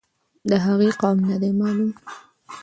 د هغې قوم نه دی معلوم.